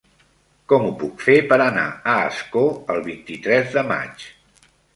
Com ho puc fer per anar a Ascó el vint-i-tres de maig?